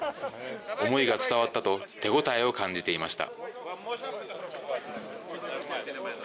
思いが伝わったと、手応えを感じていました。